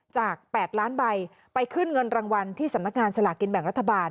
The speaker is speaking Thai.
จาก๘ล้านใบไปขึ้นเงินรางวัลที่สำนักงานสลากินแบ่งรัฐบาล